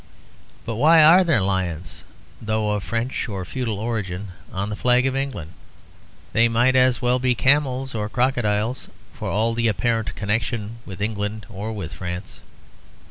But why are there lions, though of French or feudal origin, on the flag of England? There might as well be camels or crocodiles, for all the apparent connection with England or with France.